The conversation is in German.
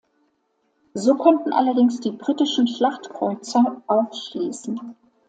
So konnten allerdings die britischen Schlachtkreuzer aufschließen.